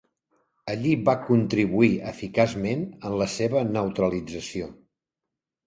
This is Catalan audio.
Allí va contribuir eficaçment en la seva neutralització.